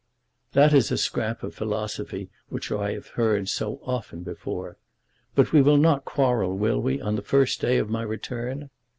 "That is a scrap of philosophy which I have heard so often before! But we will not quarrel, will we, on the first day of my return?"